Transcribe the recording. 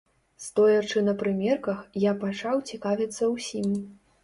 Стоячы на прымерках, я пачаў цікавіцца ўсім.